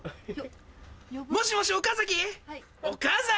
もしもし岡崎？